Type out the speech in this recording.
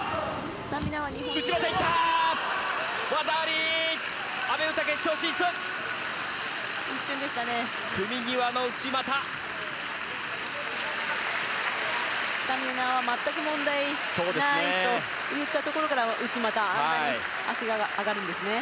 スタミナは全く問題ないといったところから内股あんなに足が上がるんですね。